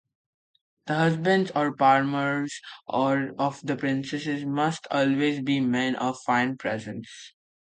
The husbands or paramours of the princesses must always be men of fine presence.